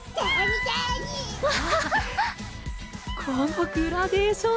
このグラデーション！